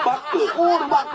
「オールバック」。